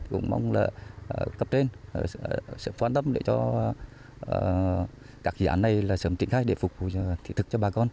cũng mong là cấp trên sự quan tâm để cho các dự án này là sớm triển khai để phục vụ thị thực cho bà con